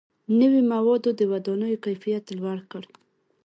• نوي موادو د ودانیو کیفیت لوړ کړ.